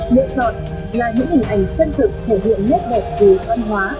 lựa chọn là những hình ảnh chân thực thể hiện nét đẹp về văn hóa